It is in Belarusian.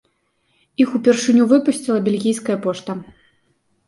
Іх упершыню выпусціла бельгійская пошта.